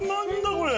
これ。